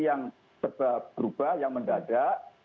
yang berubah yang mendadak